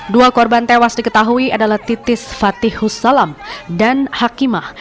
dua korban tewas diketahui adalah titis fatih hussalam dan hakimah